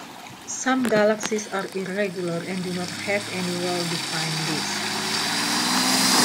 Some galaxies are irregular and do not have any well-defined disk.